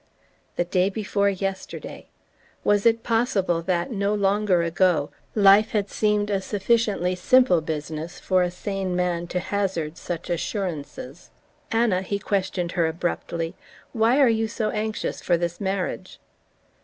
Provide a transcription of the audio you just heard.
The day before yesterday! Was it possible that, no longer ago, life had seemed a sufficiently simple business for a sane man to hazard such assurances? "Anna," he questioned her abruptly, "why are you so anxious for this marriage?"